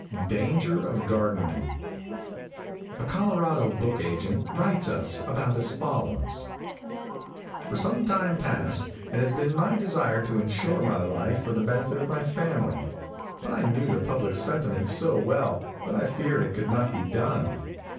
DANGER OF GARDENING. |A COLORADO book agent writes us about as follows: "For some time past it has been my desire to insure my life for the benefit of my family, but I knew the public sentiment so well that I feared it could not be done.